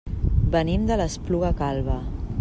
Venim de l'Espluga Calba.